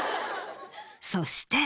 そして。